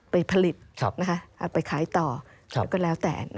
ไปผลิตเอาไปขายต่อแล้วก็แล้วแต่